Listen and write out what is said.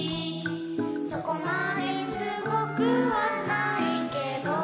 そこまですごくはないけど」